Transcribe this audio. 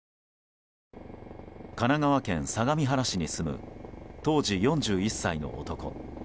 神奈川県相模原市に住む当時４１歳の男。